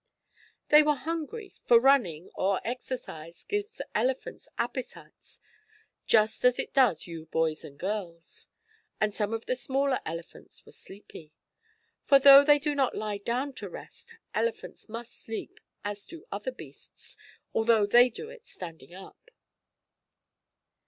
They were hungry; for running, or exercise, gives elephants appetites just as it does you boys and girls. And some of the smaller elephants were sleepy. For, though they do not lie down to rest, elephants must sleep, as do other beasts, although they do it standing up.